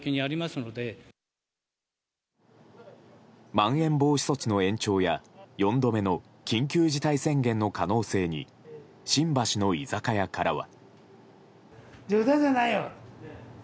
まん延防止措置の延長や４度目の緊急事態宣言の可能性に新橋の居酒屋からは。